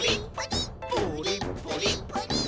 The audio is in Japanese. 「プリップリッ」プリッ！